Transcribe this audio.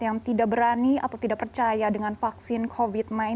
yang tidak berani atau tidak percaya dengan vaksin covid sembilan belas